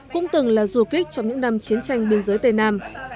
cũng từng là du kích trong những năm chiến tranh biên giới tây nam